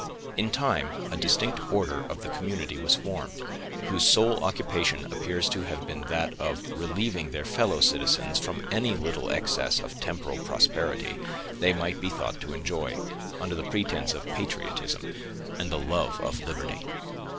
In time, a distinct order of the community was formed, whose sole occupation appears to have been that of relieving their fellow citizens from any little excess of temporal prosperity they might be thought to enjoy, under the pretense of patriotism and the love of liberty.